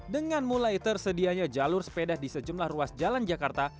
dengan mulai tersedianya jalur sepeda di sejumlah ruas jalan jakarta